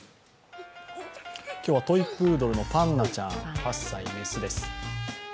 今日はトイプードルのパンナちゃん８歳、雌です。